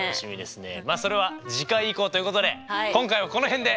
まあそれは次回以降ということで今回はこの辺で。